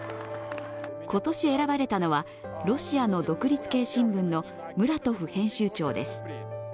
今年選ばれたのはロシアの独立系新聞のムラトフ編集長です。